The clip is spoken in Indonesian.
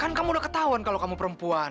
kan kamu udah ketahuan kalau kamu perempuan